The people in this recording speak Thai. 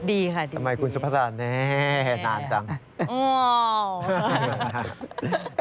ทำไมคุณซัพพะสาหรร่ะนานจำ